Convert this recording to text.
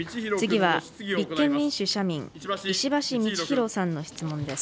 次は立憲民主・社民、石橋通宏さんの質問です。